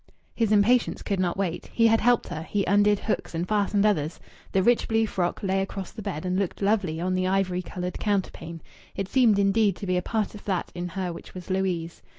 His impatience could not wait. He had helped her. He undid hooks, and fastened others.... The rich blue frock lay across the bed and looked lovely on the ivory coloured counterpane. It seemed indeed to be a part of that in her which was Louise.